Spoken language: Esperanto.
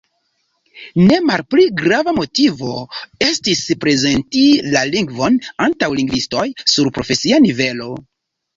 Ne malpli grava motivo estis prezenti la lingvon antaŭ lingvistoj sur profesia nivelo.